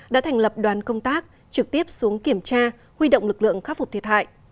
đã thành lập đoàn công tác trực tiếp xuống kiểm tra huy động lực lượng khắc phục thiệt hại